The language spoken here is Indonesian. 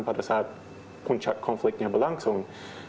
pada saat puncak konfliknya berlangsung